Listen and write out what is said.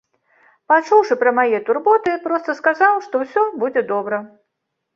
Пачуўшы пра мае турботы, проста сказаў, што ўсё будзе добра.